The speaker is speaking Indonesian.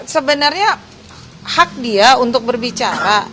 sebenarnya hak dia untuk berbicara